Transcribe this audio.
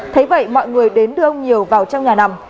thấy vậy mọi người đến đưa ông nhiều vào trong nhà nằm